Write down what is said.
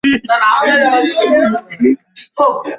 কিন্তু মনে মনে সে কথাটা চেপেই রাখতে হচ্ছে।